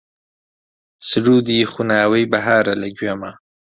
سروودی خوناوەی بەهارە لە گوێما